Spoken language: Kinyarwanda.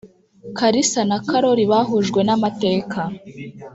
karisa na karori bahujwe namateka